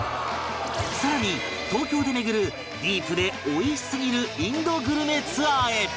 更に東京で巡るディープでおいしすぎるインドグルメツアーへ